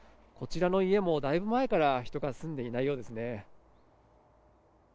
こちらの家もだいぶ前から人が住んでいないようですね。